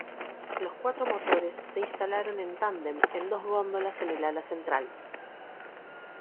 Los cuatro motores se instalaron en tandem en dos góndolas en el ala central.